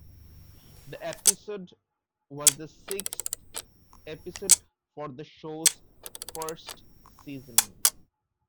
The episode was the sixth episode for the show's first season.